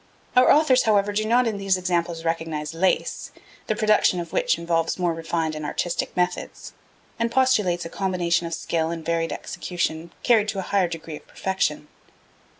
Our authors, however, do not in these examples recognise lace, the production of which involves more refined and artistic methods, and postulates a combination of skill and varied execution carried to a higher degree of perfection.